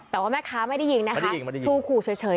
แต่ว่าแม่ค้าไม่ได้ยิงนะคะยิงชูขู่เฉย